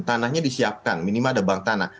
tanahnya disiapkan minimal ada bank tanah